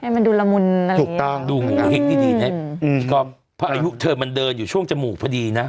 ให้มันดูละมุนถูกต้องดูหมูเล็กที่ดีนะฮะอืมพี่ก๊อบเธอมันเดินอยู่ช่วงจมูกพอดีนะ